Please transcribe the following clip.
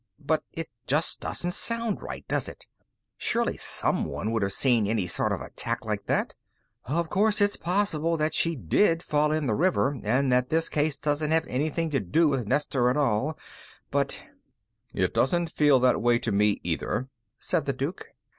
"But it just doesn't sound right, does it? Surely someone would have seen any sort of attack like that. Of course, it's possible that she did fall in the river, and that this case doesn't have anything to do with Nestor at all, but " "It doesn't feel that way to me, either," said the Duke.